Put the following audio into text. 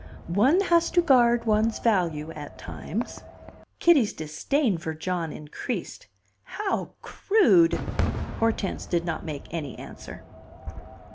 "One has to guard one's value at times." Kitty's disdain for John increased. "How crude!" Hortense did not make any answer.